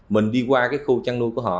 mình đi qua khu chăn nuôi của họ